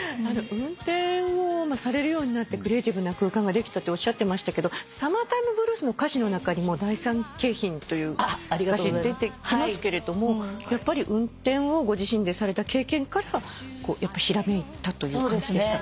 運転をされるようになってクリエーティブな空間ができたっておっしゃってましたけど『サマータイムブルース』の歌詞の中にも「第三京浜」という歌詞出てきますけれどもやっぱり運転をご自身でされた経験からひらめいたという感じでしたか？